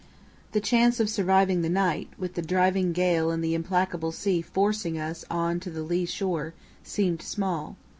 The chance of surviving the night, with the driving gale and the implacable sea forcing us on to the lee shore, seemed small.